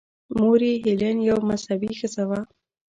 مور یې هیلین یوه مذهبي ښځه وه.